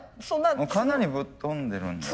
かなりぶっ飛んでるんだ。